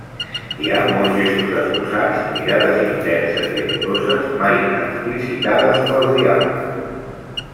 Hi ha molts gestos esbossats, mirades intenses i amoroses mai explicitades pels diàlegs.